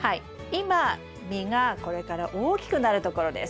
今実がこれから大きくなるところです。